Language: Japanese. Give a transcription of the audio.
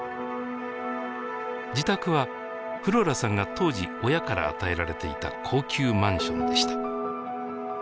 自宅はフローラさんが当時親から与えられていた高級マンションでした。